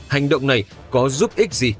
hành động này có giúp ích gì